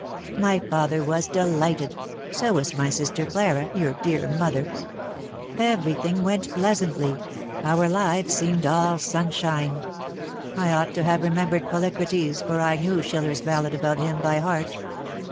" My father was delighted — so was my sister Clara — your dear mother. Everything went pleasantly; our lives seemed all sunshine. I ought to have remembered Polycrates^ for I knew Schiller's ballad about him by heart.